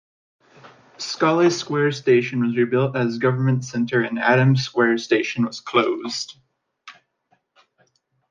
Scollay Square station was rebuilt as Government Center, and Adams Square station was closed.